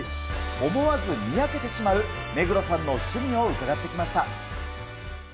思わずにやけてしまう目黒さんの趣味を伺ってきました。